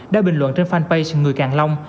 đã bình luận trên fanpage người càng long